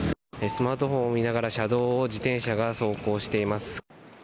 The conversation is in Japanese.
スマートフォンを見ながら車道を自転車が走行しています。